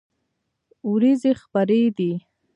ورېځې خپری دي